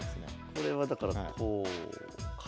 これはだからこうか。